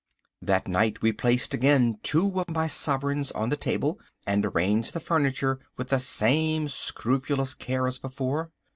That night we placed again two of my sovereigns on the table, and arranged the furniture with the same scrupulous care as before.